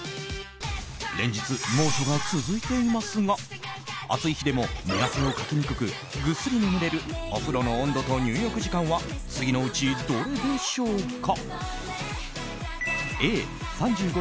連日、猛暑が続いていますが暑い日でも寝汗をかきにくくぐっすり眠れるお風呂の温度と入浴時間は次のうちどれでしょうか？